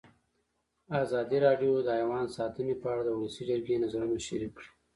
ازادي راډیو د حیوان ساتنه په اړه د ولسي جرګې نظرونه شریک کړي.